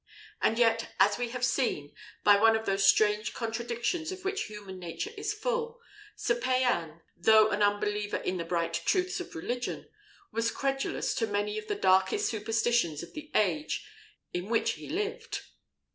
And yet, as we have seen, by one of those strange contradictions of which human nature is full, Sir Payan, though an unbeliever in the bright truths of religion, was credulous to many of the darkest superstitions of the age in which he lived.